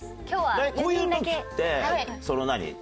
こういう時ってその何？